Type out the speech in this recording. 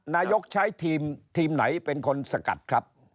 นายกใช้ทีมไหนเป็นคนสกัดครับ